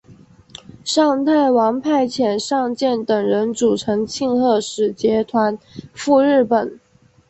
尚泰王派遣尚健等人组成庆贺使节团赴日本。